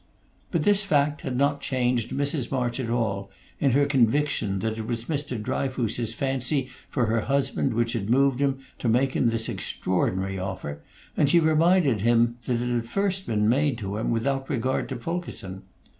But this fact had not changed Mrs. March at all in her conviction that it was Mr. Dryfoos's fancy for her husband which had moved him to make him this extraordinary offer, and she reminded him that it had first been made to him, without regard to Fulkerson.